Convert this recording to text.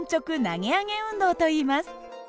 投げ上げ運動といいます。